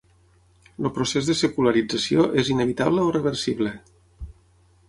El procés de secularització és inevitable o reversible?